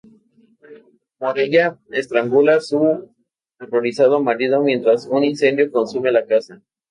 Morella estrangula a su horrorizado marido mientras un incendio consume la casa.